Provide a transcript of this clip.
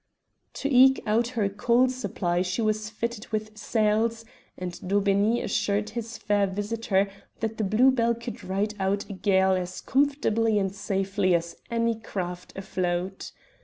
To eke out her coal supply she was fitted with sails, and Daubeney assured his fair visitor that the Blue Bell could ride out a gale as comfortably and safely as any craft afloat.